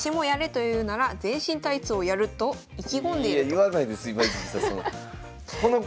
いや言わないです